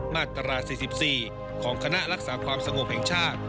มาตรา๔๔ของคณะรักษาความสงบแห่งชาติ